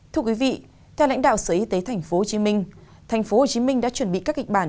thưa quý vị theo lãnh đạo sở y tế tp hcm tp hcm đã chuẩn bị các kịch bản